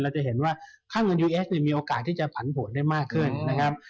จะเห็นว่าค่าเงินยูเอสเนี่ยมีโอกาสที่จะผันผวนได้มากขึ้นนะครับ